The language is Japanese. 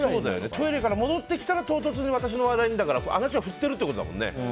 トイレから戻ってきたら唐突に私の話題にだから私に振ってるってことだもんね。